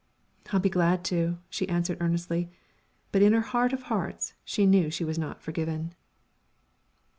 "I'll be glad to," she answered earnestly; but in her heart of hearts she knew she was not forgiven.